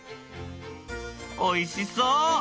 おいしそう！